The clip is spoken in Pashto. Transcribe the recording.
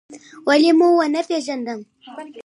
ولې و مو نه پېژندم؟